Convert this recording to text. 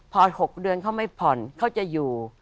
พอ๖เดือนเขาไม่ผ่อนเขาจะอยู่